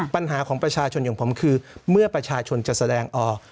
ปัญหาของประชาชนอย่างผมคือเมื่อประชาชนจะแสดงออก